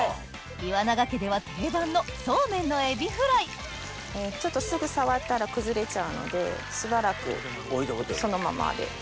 岩永家では定番のそうめんのエビフライちょっとすぐ触ったら崩れちゃうのでしばらくそのままで。